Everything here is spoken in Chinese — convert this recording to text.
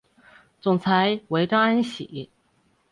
总裁为张安喜。